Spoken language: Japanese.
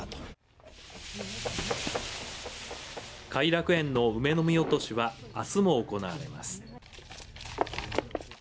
偕楽園の梅の実落としはあすも行われます。